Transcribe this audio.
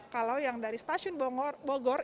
kalau yang dari stasiun bogor